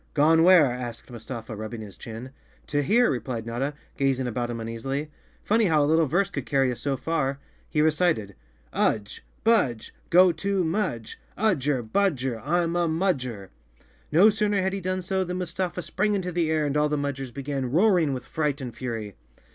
"Gone where?" asked Mustafa, rubbing his chin. "To here," replied Notta, gazing about him uneas¬ ily. "Funny how a little verse could carry us so far. He recited: " Udge! Budge! Go to Mudge! Udger budger, I'm a Mudgerl No sooner had he done so than Mustafa sprang into the air and all the Mudgers began roaring with fright and fury.